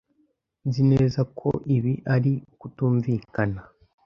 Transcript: nzi neza ko ibi ari ukutumvikana